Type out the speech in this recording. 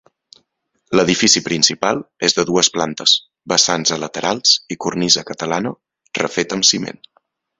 L’edifici principal és de dues plantes, vessants a laterals i cornisa catalana refeta amb ciment.